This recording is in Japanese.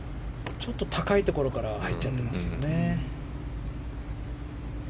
高いところから入っちゃってますね。